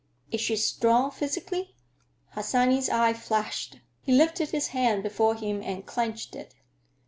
Is she strong physically?" Harsanyi's eye flashed. He lifted his hand before him and clenched it.